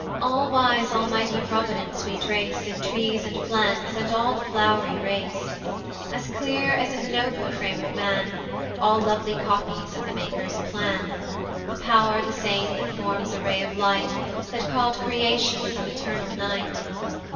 All wise Almighty Providence we trace In trees, and plants, and all the flow'ry race; As clear as in the nobler frame of man, All lovely copies of the Maker's plan. The pow'r the same that forms a ray of light, That call d creation from eternal night.